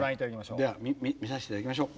では見させて頂きましょう。